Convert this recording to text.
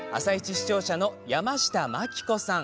視聴者の山下真樹子さん。